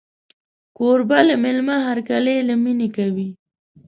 کوربه د مېلمه هرکلی له مینې کوي.